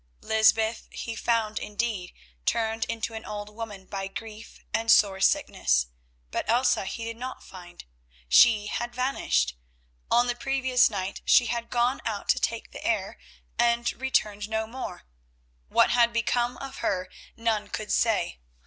Lysbeth he found indeed, turned into an old woman by grief and sore sickness, but Elsa he did not find. She had vanished. On the previous night she had gone out to take the air, and returned no more. What had become of her none could say.